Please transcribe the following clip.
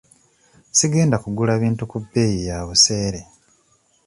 Sigenda kugula bintu ku bbeeyi ya buseere.